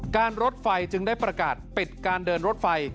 รถไฟจึงได้ประกาศปิดการเดินรถไฟ